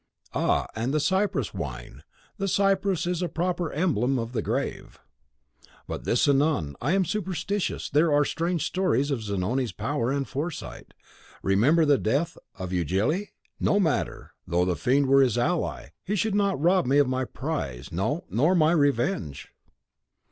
"Ah, and the Cyprus wine! The cypress is a proper emblem of the grave." "But this anon. I am superstitious; there are strange stories of Zanoni's power and foresight; remember the death of Ughelli. No matter, though the Fiend were his ally, he should not rob me of my prize; no, nor my revenge."